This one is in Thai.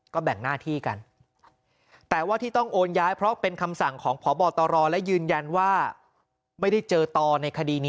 ต้องแบ่งหน้าที่กันแต่ว่าที่ต้องแย้นโอนเพราะเป็นคำสั่งของของผอบตรภลสำนวนนะนะครับ